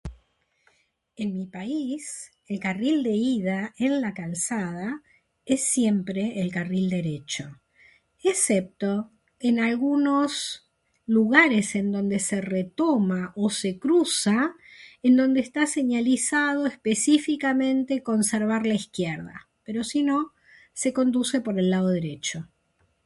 en mi país el carril de ida en la calzada es siempre el carril derecho excepto en algunos lugares en donde se retoma o se cruza y donde esta señalizado especificamente conservar la izquierda, pero si no, se conduce por el lado derecho.